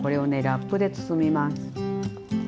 ラップで包みます。